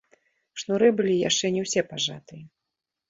Шнуры былі яшчэ не ўсе пажатыя.